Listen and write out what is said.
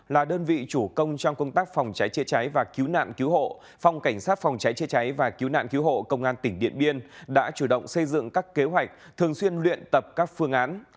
là đơn vị chủ công trong công tác phòng cháy chế cháy và cứu nạn cứu hộ phòng cảnh sát phòng cháy chế cháy và cứu nạn cứu hộ công an tỉnh điện biên đã chủ động xây dựng các kế hoạch thường xuyên luyện tập các phương án